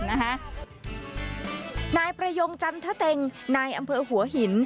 นายประยงจันทะเต็งนายอำเภอหัวหิน